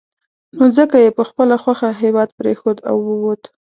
نو ځکه یې په خپله خوښه هېواد پرېښود او ووت.